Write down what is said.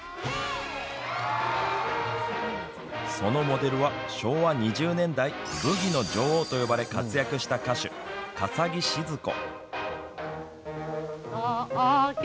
そのモデルは昭和２０年代ブギの女王と呼ばれ活躍した歌手笠置シヅ子。